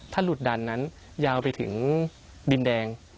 ถ้าหลุดดันนั้นยาวไปถึงดินแดง